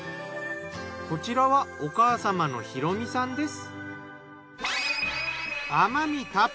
こちらはお母様の弘美さんです。